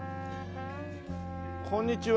こんにちは。